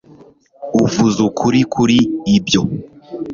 uvuze ukuri kuri ibyo